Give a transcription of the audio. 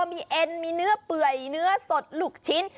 มีเอ็นมีเนื้อเปื่อยเนื้อสดลูกชิ้น